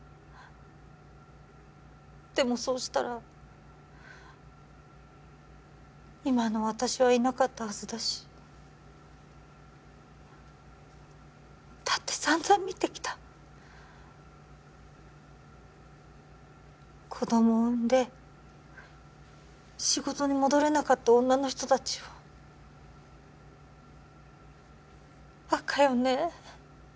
でもそうしたら今の私はいなかったはずだしだってさんざん見てきた子供産んで仕事に戻れなかった女の人達をバカよね